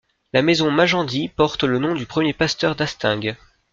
La maison Magendie porte le nom du premier pasteur d'Hastingues.